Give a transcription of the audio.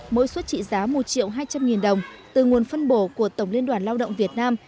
mỗi suất trị giá một triệu hai trăm linh nghìn đồng từ nguồn phân bổ của tổng liên đoàn lao động việt nam